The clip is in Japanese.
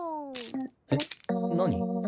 えっ何？